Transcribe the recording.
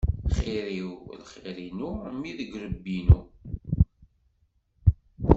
Xir-iw, lxir-inu mmi deg yirebbi-inu.